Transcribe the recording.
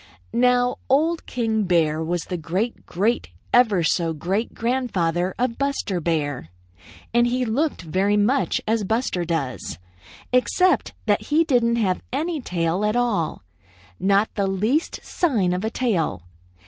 "Now Old King Bear was the great great ever so great grandfather of Buster Bear, and he looked very much as Buster does, except that he didn't have any tail at all, not the least sign of a tail.